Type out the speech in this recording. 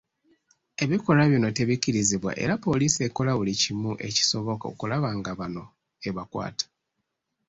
Ebikolwa bino tebikkirizibwa era poliisi ekola bulikimu ekisoboka okulaba nga bano ebakwata.